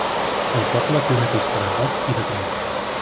El poble té una pista de bob i de trineu.